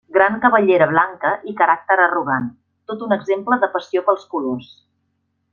Gran cabellera blanca i caràcter arrogant, tot un exemple de passió pels colors.